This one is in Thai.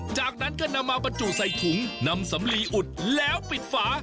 จากนั้นก็นำมาบรรจุใส่ถุงนำสำลีอุดแล้วปิดฝา